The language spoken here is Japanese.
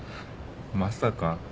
まさか。